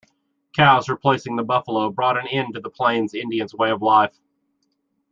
Cows replacing the buffalo brought an end to the plains Indians way of life.